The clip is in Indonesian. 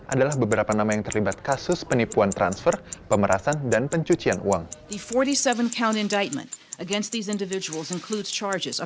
adalah beberapa nama yang terlibat kasus penipuan transfer pemerasan dan pencucian uang